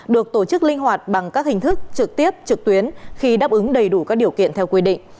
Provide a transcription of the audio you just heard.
được tổ chức linh hoạt bằng các hình thức trực tiếp trực tuyến khi đáp ứng đầy đủ các điều kiện theo quy định